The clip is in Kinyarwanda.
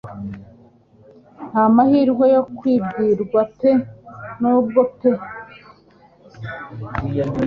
Nta mahirwe yo kubwirwa pe nubwo pe